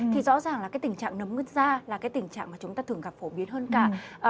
thì rõ ràng là tình trạng nấm da là tình trạng mà chúng ta thường gặp phổ biến hơn cả